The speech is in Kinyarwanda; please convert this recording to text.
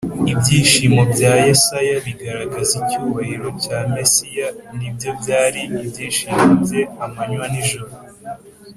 Ibyishimo bya Yesaya bigaragaza icyubahiro cya Mesiya ni byo byari ibyishimo bye amanywa n’ijoro,